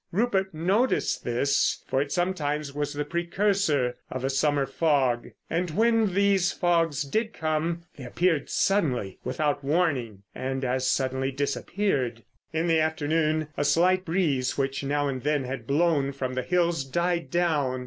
Rupert noted this, for it sometimes was the precursor of a summer fog, and when these fogs did come they appeared suddenly, without warning—and as suddenly disappeared. In the afternoon a slight breeze, which now and then had blown from the hills, died down.